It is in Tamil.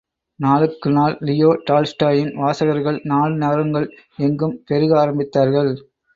நாளுக்கு நாள் லியோ டால்ஸ்டாயின் வாசகர்கள் நாடு நகரங்கள் எங்கும் பெருக ஆரம்பத்தார்கள்.